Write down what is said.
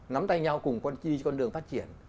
nắm tay nhau cùng con chi con đường phát triển